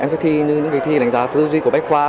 em sẽ thi như những cái thi đánh giá thư duy của bách khoa